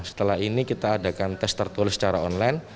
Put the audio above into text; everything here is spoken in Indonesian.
setelah ini kita adakan tes tertulis secara online